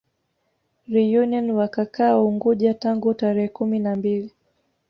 Reunion wakakaa Unguja tangu tarehe kumi na mbili